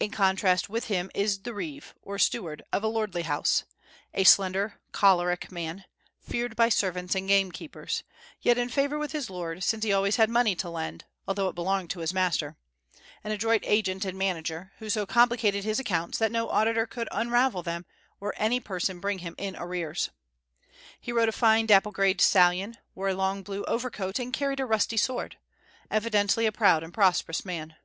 In contrast with him is the reve, or steward, of a lordly house, a slender, choleric man, feared by servants and gamekeepers, yet in favor with his lord, since he always had money to lend, although it belonged to his master; an adroit agent and manager, who so complicated his accounts that no auditor could unravel them or any person bring him in arrears. He rode a fine dappled gray stallion, wore a long blue overcoat, and carried a rusty sword, evidently a proud and prosperous man.